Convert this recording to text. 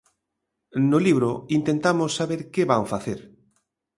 No libro intentamos saber que van facer.